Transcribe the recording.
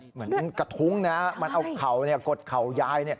เหมือนกระทุ้งนะมันเอาเข่ากดเข่ายาย